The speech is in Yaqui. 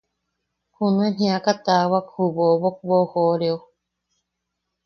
Junuen jiaka taawak ju bobok boʼojooreo.